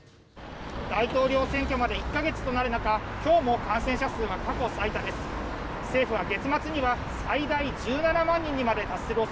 大統領選挙まで１か月となる中今日も感染者数が過去最多です。